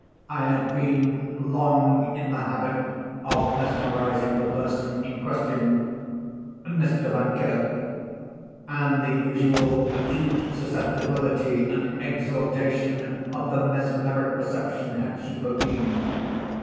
I had been long in the habit of mesmerizing the person in question (Mr. Vankirk), and the usual acute susceptibility and exaltation of the mesmeric perception had supervened.